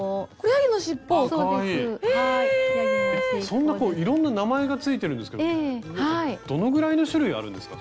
そんなこういろんな名前が付いてるんですけどどのぐらいの種類あるんですか？